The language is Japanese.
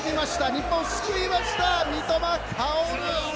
日本を救いました、三笘薫。